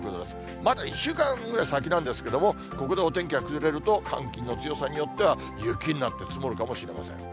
まだ１週間ぐらい先なんですけども、ここでお天気が崩れると、寒気の強さによっては、雪になって積もるかもしれません。